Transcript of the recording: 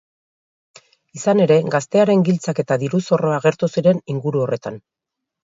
Izan ere, gaztearen giltzak eta diru-zorroa agertu ziren inguru horretan.